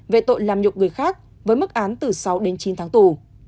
về tội làm nhục người khác với mức án từ sáu đến chín tháng tù